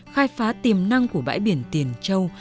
khai phá tiềm năng của bãi biển tiền châu